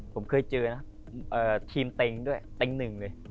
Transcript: ผมเคยเจอนะทีมเต็งด้วยเต็งหนึ่งเลย